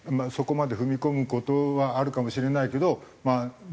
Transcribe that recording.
そこまで踏み込む事はあるかもしれないけどまあ